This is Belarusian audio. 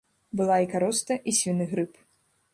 Была і кароста, і свіны грып.